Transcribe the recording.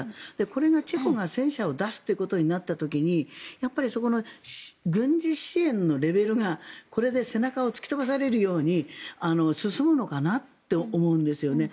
これがチェコが戦車を出すということになった時にやっぱりそこの軍事支援のレベルがこれで背中を突き飛ばされるように進むのかなって思うんですね。